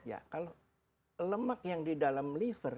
ya kalau lemak yang di dalam liver